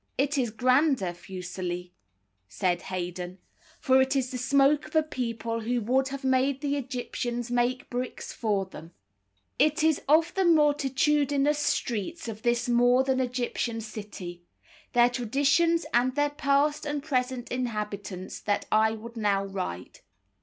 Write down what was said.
"It is grander, Fuseli," said Haydon, "for it is the smoke of a people who would have made the Egyptians make bricks for them." It is of the multitudinous streets of this more than Egyptian city, their traditions, and their past and present inhabitants, that I would now write.